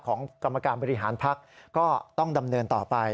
กรรมการบริหารพักก็ต้องดำเนินต่อไป